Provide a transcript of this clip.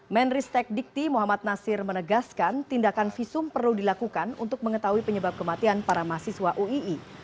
menristek dikti muhammad nasir menegaskan tindakan visum perlu dilakukan untuk mengetahui penyebab kematian para mahasiswa uii